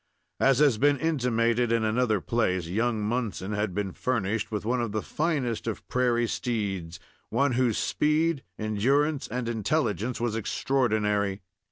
As has been intimated in another place, young Munson had been furnished with one of the finest of prairie steeds one whose speed, endurance, and intelligence was extraordinary.